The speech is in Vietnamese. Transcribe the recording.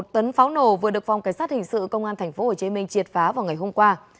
một tấn pháo nổ vừa được phòng cảnh sát hình sự công an tp hcm triệt phá vào ngày hôm qua